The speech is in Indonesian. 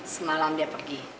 semalam dia pergi